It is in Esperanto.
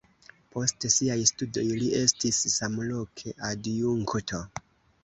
Post siaj studoj li estis samloke adjunkto.